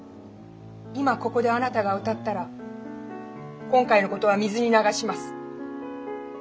今ここであなたが歌ったら今回のことは水に流します。